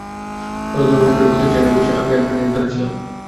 বড় গলা করে না বলতে চাইলেও বলছি, আমি অ্যাভেঞ্জারদের দলে ছিলাম।